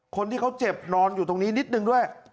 คนที่เขาเจ็บนอนอยู่ตรงนี้นิดนึงด้วย